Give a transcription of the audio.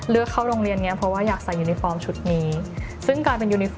เราก็ต้องใส่